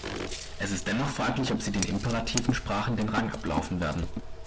Es ist dennoch fraglich, ob sie den imperativen Sprachen den Rang ablaufen werden.